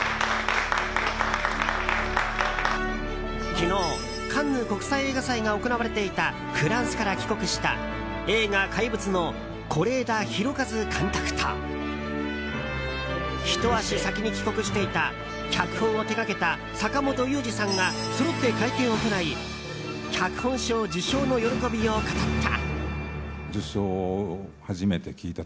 昨日、カンヌ国際映画祭が行われていたフランスから帰国した映画「怪物」の是枝裕和監督とひと足先に帰国していた脚本を手がけた坂元裕二さんがそろって会見を行い脚本賞受賞の喜びを語った。